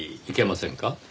いけませんか？